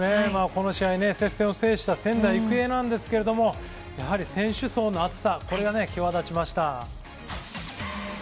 この試合、接戦を制した仙台育英ですが、選手層の厚さが際立ちました。